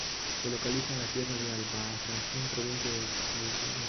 Se localiza en la Sierra de Albarracín, provincia de Teruel, Aragón, España.